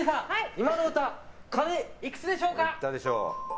今の歌おいくつでしょうか？